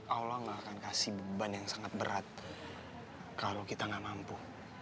allah gak akan kasih beban yang sangat berat kalau kita nggak mampu